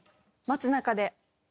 街中で。